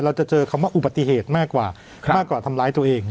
เราจะเจอคำว่าอุบัติเหตุมากกว่ามากกว่าทำร้ายตัวเอง